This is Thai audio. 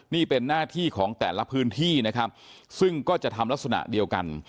นี่เป็นหน้าที่ของแต่ละพื้นที่นะครับซึ่งก็จะทำลักษณะเดียวกัน